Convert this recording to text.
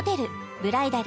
ブライダル